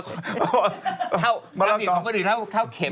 ความผิดของคนอื่นเท่าเข็ม